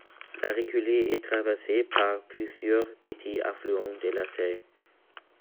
La reculée est traversée par plusieurs petits affluents de la Seille.